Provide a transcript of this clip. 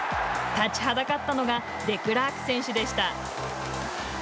立ちはだかったのがデクラーク選手でした。